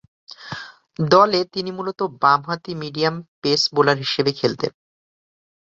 দলে তিনি মূলতঃ বামহাতি মিডিয়াম পেস বোলার হিসেবে খেলতেন।